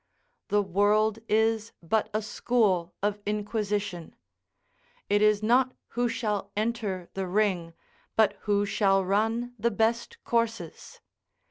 The world is but a school of inquisition: it is not who shall enter the ring, but who shall run the best courses.